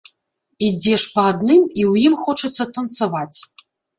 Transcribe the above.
Ідзеш па адным, і ў ім хочацца танцаваць.